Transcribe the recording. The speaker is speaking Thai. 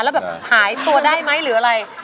แล้วแบบหายตัวได้ไหมหรืออะไร